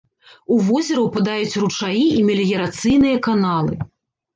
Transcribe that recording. У возера ўпадаюць ручаі і меліярацыйныя каналы.